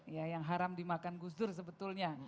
ya yang haram dimakan gus dur sebetulnya